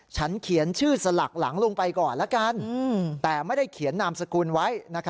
ฉันเขียนชื่อสลักหลังลงไปก่อนละกันแต่ไม่ได้เขียนนามสกุลไว้